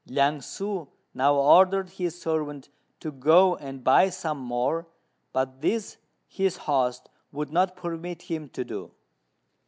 Liang ssŭ now ordered his servant to go and buy some more, but this his host would not permit him to do.